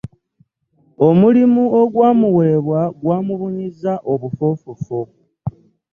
Omulimu ogwa muweebwa gwa mubunyiza obufofofo